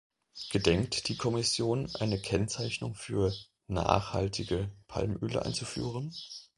Gedenkt die Kommission eine Kennzeichnung für "nachhaltige" Palmöle einzuführen?